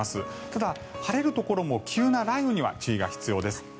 ただ、晴れるところも急な雷雨には注意が必要です。